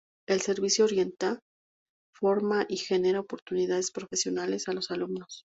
El servicio orienta, forma y genera oportunidades profesionales a los alumnos.